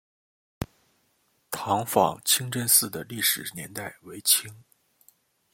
塘坊清真寺的历史年代为清。